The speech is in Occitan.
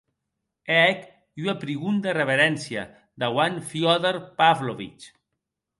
E hec ua prigonda reveréncia dauant Fiódor Pávlovich.